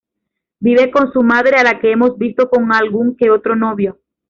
Vive con su madre, a la que hemos visto con algún que otro novio.